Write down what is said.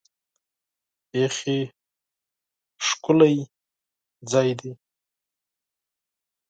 بیخي ښکلی ځای دی .